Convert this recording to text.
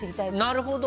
なるほど。